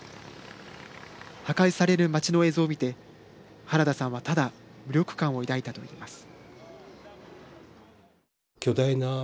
破壊される町の映像を見てはらださんはただ無力感を抱いたといいます。